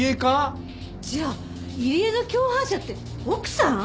じゃあ入江の共犯者って奥さん！？